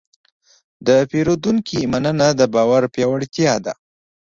د پیرودونکي مننه د باور پیاوړتیا ده.